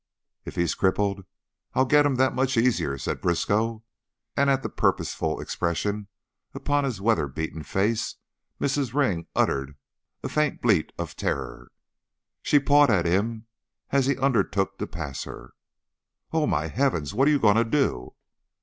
"If he's crippled I'll get him that much easier," said Briskow, and at the purposeful expression upon his weather beaten face Mrs. Ring uttered a faint bleat of terror. She pawed at him as he undertook to pass her. "Oh, my heavens! What are you going to do?"